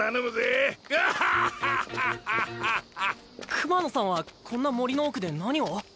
熊野さんはこんな森の奥で何を？